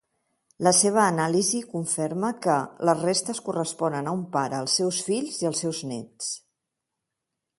La seva anàlisi conferma que les restes corresponen a un pare, els seus fills i els seus néts.